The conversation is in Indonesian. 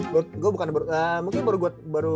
gue bukan mungkin baru